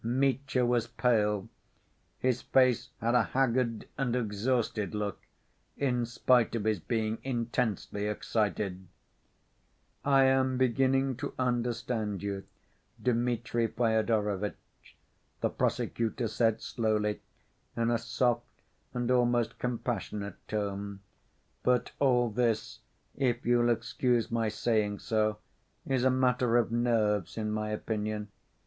Mitya was pale. His face had a haggard and exhausted look, in spite of his being intensely excited. "I am beginning to understand you, Dmitri Fyodorovitch," the prosecutor said slowly, in a soft and almost compassionate tone. "But all this, if you'll excuse my saying so, is a matter of nerves, in my opinion